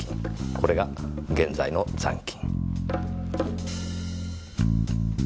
これが現在の残金。